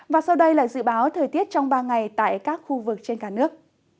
và sau đây là dự báo thời tiết trong ba ngày tại các khu vực trên cả nước